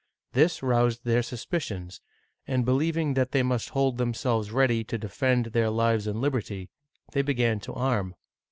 This roused their suspicions, and, believing that they must hold themselves ready to defend their lives and liberty, they began to arm.